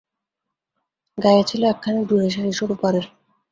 গায়ে ছিল একখানি ডুরে শাড়ি, সরু পাড়ের।